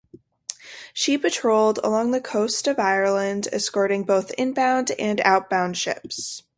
She patrolled along the coast of Ireland, escorting both inbound and outbound ships.